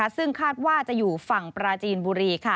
ซึ่งคาดว่าจะอยู่ฝั่งปราจีนบุรี